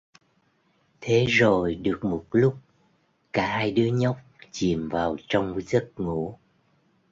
Thế rồi được một lúc, cả hai đứa nhóc chìm vào trong giấc ngủ